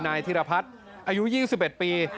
นายธิราพัสอายุ๒๑ปี